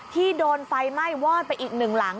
ที่โดนไฟไหม้วอดไปอีกหนึ่งหลัง